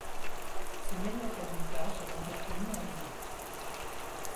Ses meilleurs résultats seront obtenus en double.